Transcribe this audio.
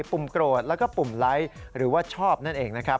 ปุ่มโกรธแล้วก็ปุ่มไลค์หรือว่าชอบนั่นเองนะครับ